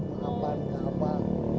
dimaafin nggak sama abah